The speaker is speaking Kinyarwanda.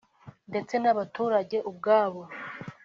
ndetse n’abaturage ubwabo